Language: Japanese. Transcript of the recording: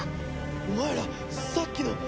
お前らさっきの！